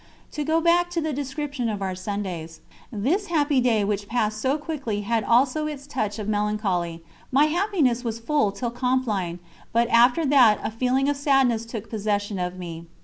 To go back to the description of our Sundays. This happy day which passed so quickly had also its touch of melancholy; my happiness was full till Compline, but after that a feeling of sadness took possession of me.